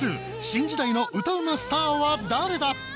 新時代の歌うまスターは誰だ！？